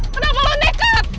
kenapa lo dekat